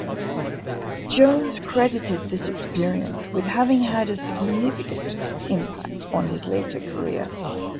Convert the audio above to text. Jones credited this experience with having had a significant impact on his later career.